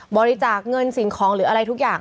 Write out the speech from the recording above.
บริจาคเงินสิ่งของหรืออะไรทุกอย่าง